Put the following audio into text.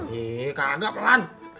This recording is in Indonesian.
iya kagak pelan